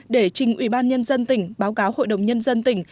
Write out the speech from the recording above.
để trình ủy ban nhân dân tỉnh báo cáo hội đồng nhân dân tỉnh